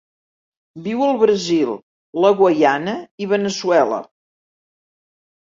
Viu al Brasil, la Guaiana i Veneçuela.